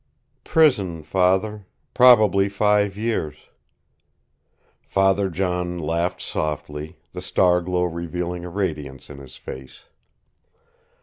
"Prison, Father. Probably five years." Father John laughed softly, the star glow revealing a radiance in his face.